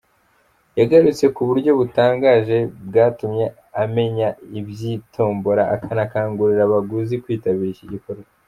Yagarutse ku buryo butangaje bwatumye amenya iby’iyi tombola anakangurira abaguzi kwitabira iki gikorwa.